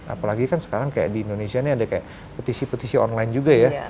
apalagi kan sekarang kayak di indonesia ini ada kayak petisi petisi online juga ya